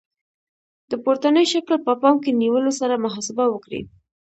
د پورتني شکل په پام کې نیولو سره محاسبه وکړئ.